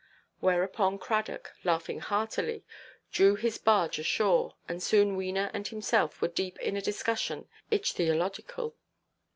Whereupon Cradock, laughing heartily, drew his barge ashore, and soon Wena and himself were deep in a discussion ichthyological.